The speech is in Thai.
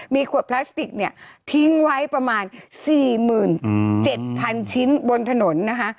มีขวดพลาสติกเนี่ยทิ้งไว้ประมาณ๔๗๐๐ชิ้นบนถนนนะคะ